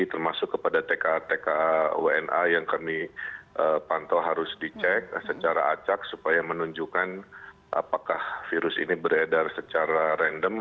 termasuk kepada tka tka wna yang kami pantau harus dicek secara acak supaya menunjukkan apakah virus ini beredar secara random